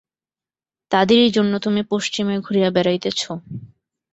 তাহারই জন্য তুমি পশ্চিমে ঘুরিয়া বেড়াইতেছ?